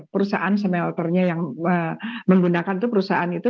perusahaan smelternya yang menggunakan itu perusahaan itu